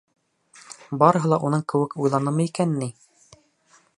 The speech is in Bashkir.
Барыһы ла уның кеүек уйланымы икән ни?